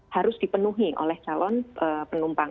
harus dipenuhi oleh calon penumpang